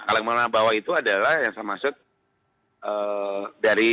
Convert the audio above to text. kalangan menengah bawah itu adalah yang saya maksud dari skala popularitas ya